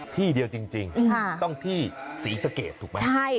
ที่เดียวจริงต้องที่ศรีสะเกดถูกไหม